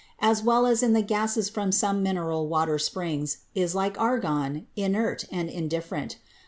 as well as in the gases from some mineral water springs, is, like argon, inert and indifferent.